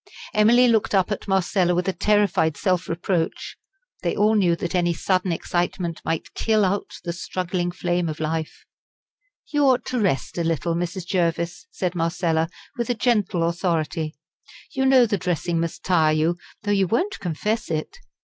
Emily looked up at Marcella with a terrified self reproach. They all knew that any sudden excitement might kill out the struggling flame of life. "You ought to rest a little, Mrs. Jervis," said Marcella, with gentle authority. "You know the dressing must tire you, though you won't confess it.